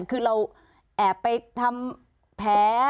คือเราแอบไปทำแผล